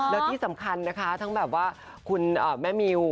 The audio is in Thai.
แล้วที่สำคัญนะคะทั้งแบบว่าคุณแม่มิว